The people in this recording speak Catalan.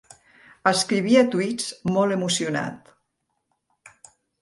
Escrivia twits molt emocionat.